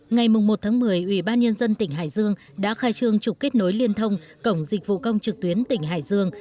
ngày một một mươi ubnd tỉnh hải dương đã khai trương trục kết nối liên thông cổng dịch vụ công trực tuyến tỉnh hải dương